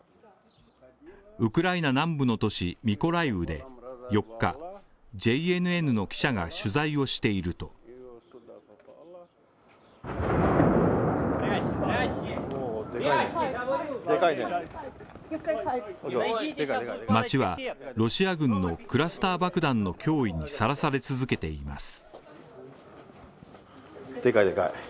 ウクライナ南部の都市ミコライウで４日、ＪＮＮの記者が取材をしていると街はロシア軍のクラスター爆弾の脅威にさらされ続けています。